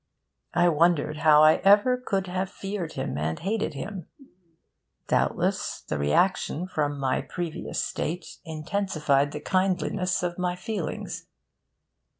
I wondered how I ever could have feared him and hated him. Doubtless, the reaction from my previous state intensified the kindliness of my feelings.